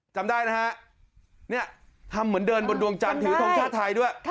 จำได้นะฮะทำเหมือนเดินบนดวงจันทร์ถือวิทยาทัยด้วย